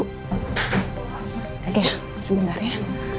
oke sebentar ya